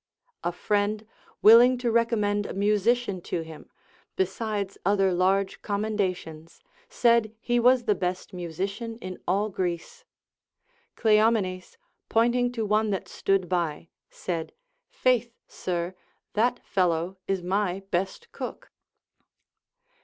A friend willing to recom mend a musician to him, besides other large commendations, said he was the best musician in all Greece. Cleomenes, pointing to one that stood by, said, Faith, sir, that fellow is my best cook.